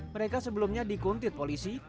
mereka sebelumnya dikuntit polisi